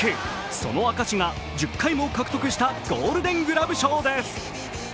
その証しが１０回も獲得したゴールデングローブ賞です。